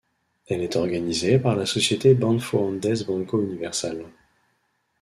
Elle est organisée par la société Banfoandes Banco Universal.